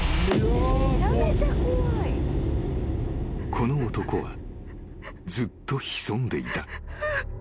［この男はずっと潜んでいた］